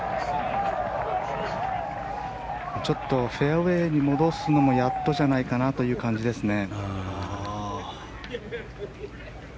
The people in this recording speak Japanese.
フェアウェーに戻すのもやっとじゃないかなという感じですね。